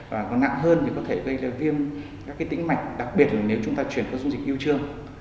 và còn nặng hơn thì có thể gây ra viêm các cái tĩnh mạch đặc biệt là nếu chúng ta truyền qua dung dịch yêu chương